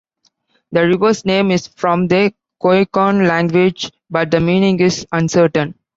The river's name is from the Koyukon language, but the meaning is uncertain.